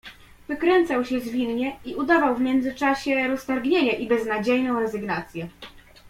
"Wykręcał się zwinnie i udawał w międzyczasie roztargnienie i beznadziejną rezygnację."